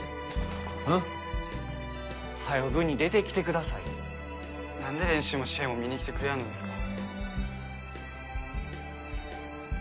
うん？はよ部に出てきてくださいよ何で練習も試合も見に来てくれやんのですか？